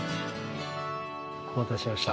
お待たせしました。